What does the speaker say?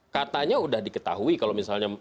katanya sudah diketahui kalau misalnya